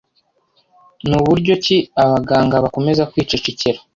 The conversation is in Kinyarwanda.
Ni buryo ki abaganga bakomeza kwicecekera